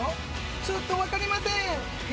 ちょっと分かりません。